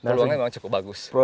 peluangnya memang cukup bagus